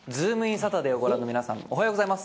サタデーをご覧の皆さん、おはようございます。